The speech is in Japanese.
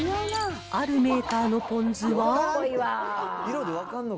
あるメーカーのポン酢は。